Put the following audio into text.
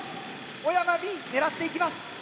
小山Ｂ狙っていきます。